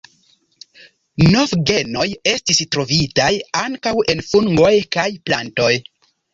Novgenoj estis trovitaj ankaŭ en fungoj kaj plantoj.